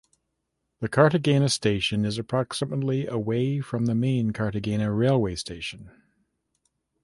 The Cartagena station is approximately away from the main Cartagena railway station.